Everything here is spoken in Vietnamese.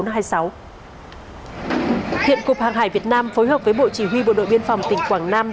hiện cục hàng hải việt nam phối hợp với bộ chỉ huy bộ đội biên phòng tỉnh quảng nam